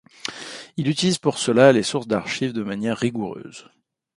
Il utilise pour cela les sources d'archives de manière rigoureuse.